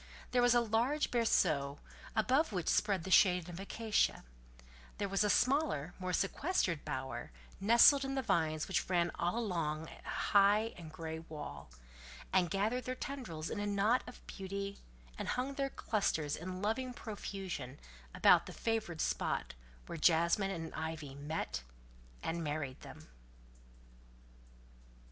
There was a large berceau, above which spread the shade of an acacia; there was a smaller, more sequestered bower, nestled in the vines which ran all along a high and grey wall, and gathered their tendrils in a knot of beauty, and hung their clusters in loving profusion about the favoured spot where jasmine and ivy met and married them.